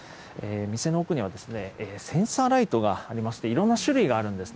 店の奥には、センサーライトがありまして、いろんな種類があるんですね。